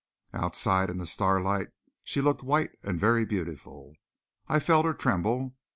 Outside in the starlight she looked white and very beautiful. I felt her tremble.